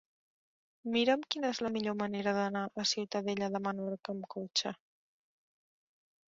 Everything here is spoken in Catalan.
Mira'm quina és la millor manera d'anar a Ciutadella de Menorca amb cotxe.